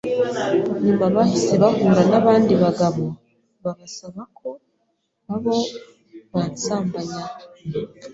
Nyuma bahise bahura n’abandi bagabo, babasaba ko babo bansambanya.